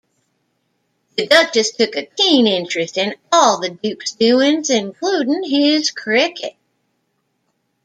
The Duchess took a keen interest in all the Duke's doings including his cricket.